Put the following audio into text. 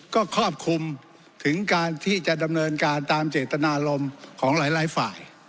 ก็ครอบคลุมถึงการที่จะดำเนินการตามเจตนารมณ์ของหลายฝ่าย